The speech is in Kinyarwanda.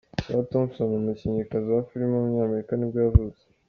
Sarah Thompson, umukinnyikazi wa filime w’umunyamerika nibwo yavutse.